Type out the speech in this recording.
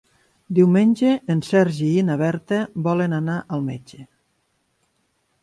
Diumenge en Sergi i na Berta volen anar al metge.